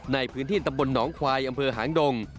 ในพื้นที่ตำบลหนองควายอำเภอหางดง